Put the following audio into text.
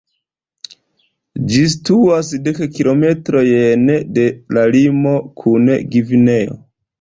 Ĝi situas dek kilometrojn de la limo kun Gvineo.